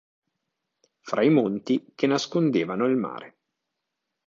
Fra i monti che nascondevano il mare.